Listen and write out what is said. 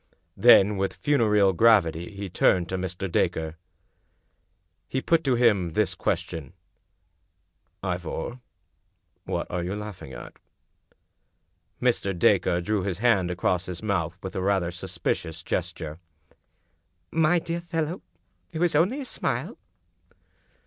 Then with funereal gravity he turned to Mr. Dacre. He put to him this question: " Ivor, what are you laughing at?" Mr. Dacre drew his hand across his mouth with rather a suspicious gesture. " My dear fellow, only a smile